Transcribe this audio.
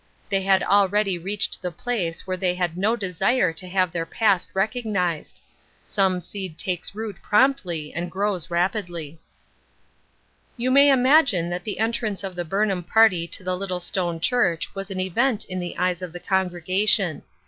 They had already reached the place where they had no desire to have their past recognized. Some seed takes root promptly and grows rapidly. Wherefore f 859 You may imagine that the entrance of the Burnham party to the little stone church was an event in the eyes of the congregation.